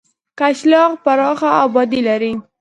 کچلاغ پراخه آبادي لري.